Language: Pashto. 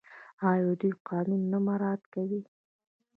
آیا دوی قانون نه مراعات کوي؟